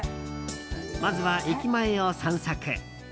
まずは駅前を散策。